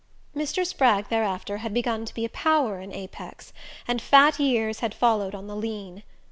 Mr. Spragg, thereafter, had begun to be a power in Apex, and fat years had followed on the lean.